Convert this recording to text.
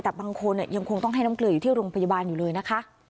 แต่บางคนยังคงต้องให้น้ำเกลืออยู่ที่โรงพยาบาลอยู่เลยนะคะ